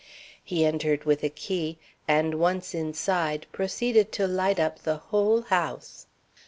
He entered with a key, and once inside, proceeded to light up the whole house.